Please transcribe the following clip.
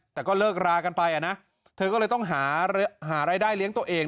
แต่ก็เลิกรากันไปนะเธอก็เลยต้องหารายได้เลี้ยงตัวเอง